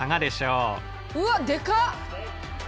うわっでかっ！